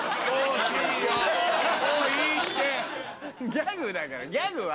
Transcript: ギャグだからギャグは？